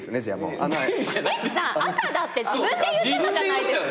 朝だって自分で言ってたじゃないですか。